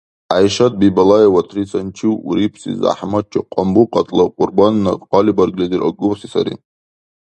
ГӀяйшат Бибалаева Трисанчив урибси зяхӀматчи Къамбулатла Кьурбанна хъалибарглизир акӀубси сари.